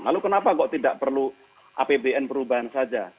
lalu kenapa kok tidak perlu apbn perubahan saja